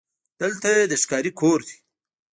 دلته د ښکاري کور دی: